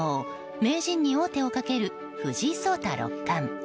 名人に王手をかける藤井聡太六冠。